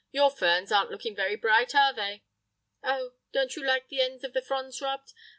Your ferns aren't looking very bright, are they?... "Oh, don't you like the ends of the fronds rubbed?...